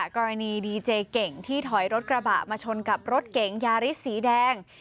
กรณีดีเจเก่งที่ถอยรถกระบะมาชนกับรถเก๋งยาริสสีแดง